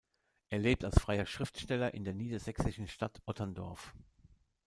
Er lebt als freier Schriftsteller in der niedersächsischen Stadt Otterndorf.